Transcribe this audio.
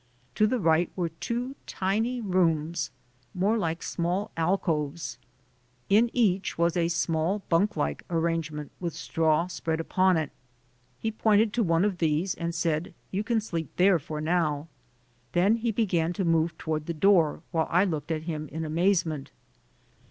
To the right were two tiny rooms, more like small alcoves ; in each was a small bunk like arrangement with straw spread upon it. I GO TO JAIL 115 He pointed to one of these and said, "You can sleep there for now." Then he began to move toward the door, while I looked at him in amazement.